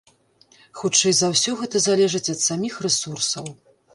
Хутчэй за ўсё, гэта залежыць ад саміх рэсурсаў.